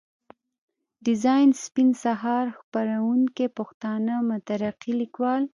ډيزاين سپين سهار، خپروونکی پښتانه مترقي ليکوال.